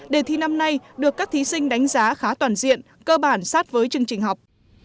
đề thi năm nay được các thí sinh đánh giá khá toàn diện cơ bản sát với chương trình học